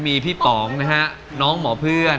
มีพี่ป๋องนะฮะน้องหมอเพื่อน